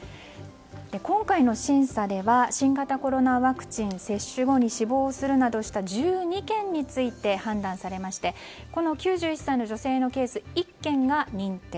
今回の審査では新型コロナワクチン接種後に死亡するなどした１２件について判断されましてこの９１歳の女性のケース１件が認定。